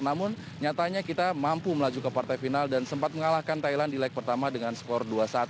namun nyatanya kita mampu melaju ke partai final dan sempat mengalahkan thailand di leg pertama dengan skor dua satu